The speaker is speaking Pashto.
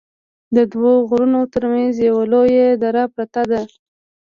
ددوو غرونو تر منځ یوه لویه دره پراته ده